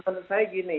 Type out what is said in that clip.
menurut saya gini